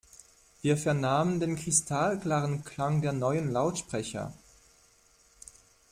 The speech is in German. Wir vernahmen den kristallklaren Klang der neuen Lautsprecher.